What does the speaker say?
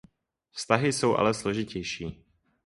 Vztahy jsou ale složitější.